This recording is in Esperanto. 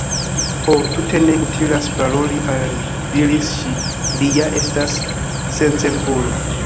"Ho, tute ne utilas paroli al li," diris ŝi, "li ja estas sencerbulo."